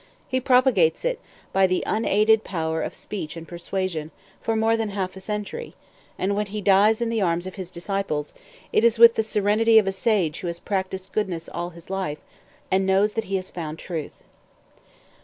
He propagates it, by the unaided power of speech and persuasion, for more than half a century; and when he dies in the arms of his disciples, it is with the serenity of a sage who has practised goodness all his life, and knows that he has found Truth."